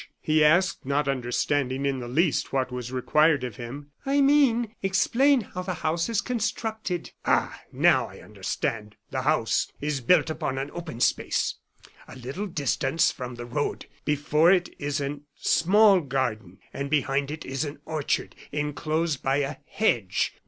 he asked, not understanding in the least what was required of him. "I mean, explain how the house is constructed." "Ah! now I understand. The house is built upon an open space a little distance from the road. Before it is a small garden, and behind it an orchard enclosed by a hedge.